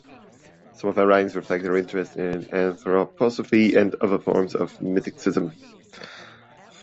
Some of her writings reflect her interest in anthroposophy and other forms of mysticism.